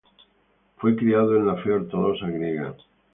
Fue criado en la fe ortodoxa griega.